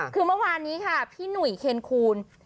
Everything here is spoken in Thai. คือเมื่อวานนี้ค่ะพี่หนุ่ยเคนคูณ